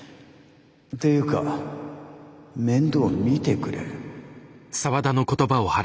ってゆうか面倒見てくれ。